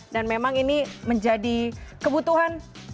dan memang ini menjadi kebutuhan